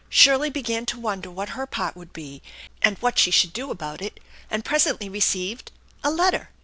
Shirley began to wonder what her part would be and what she should do about it, and presently received a letter